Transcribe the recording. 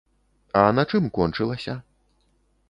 А на чым кончылася?